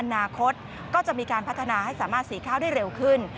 อนาคตก็จะมีการพัฒนาให้สามารถสีข้าวได้เร็วขึ้น